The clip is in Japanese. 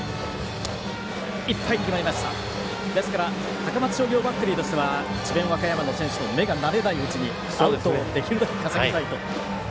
高松商業バッテリーとしては智弁和歌山の選手の目が慣れないうちにアウトをできるだけ稼ぎたいと。